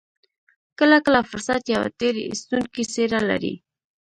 کله کله فرصت يوه تېر ايستونکې څېره لري.